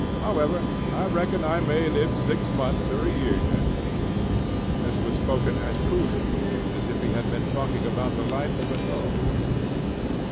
However, I reckon I may live six months or a year yet." This was spoken as coolly as if he had been talking about the life of a dog.